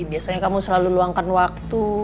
biasanya kamu selalu luangkan waktu